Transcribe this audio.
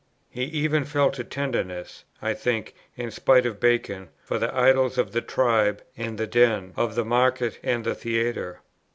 He even felt a tenderness, I think, in spite of Bacon, for the Idols of the Tribe and the Den, of the Market and the Theatre.